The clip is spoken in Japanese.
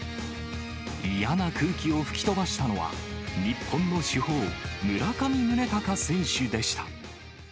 嫌な空気を吹き飛ばしたのは、日本の主砲、村上宗隆選手でした。